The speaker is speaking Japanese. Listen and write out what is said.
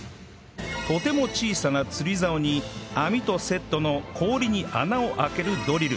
とても小さな釣り竿に網とセットの氷に穴を開けるドリル